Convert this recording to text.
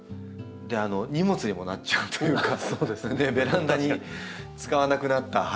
荷物にもなっちゃうというかベランダに使わなくなった鉢の土とか。